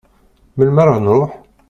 Melmi ara nruḥ?